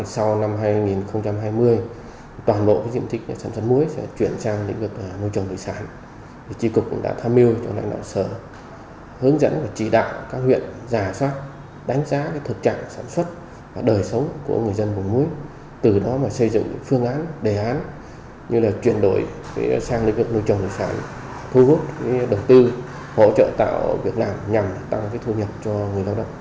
sau năm hai nghìn hai mươi toàn bộ diện tích sản xuất muối sẽ chuyển sang nội trường tự sản